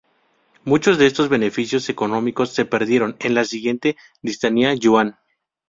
Muchos de estos beneficios económicos se perdieron, en la siguiente dinastía Yuan.